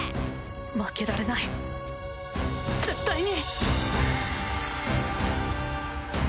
負けられない絶対に！